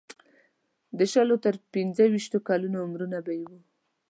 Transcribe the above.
د شلو تر پنځه ویشتو کلونو عمرونه به یې وو.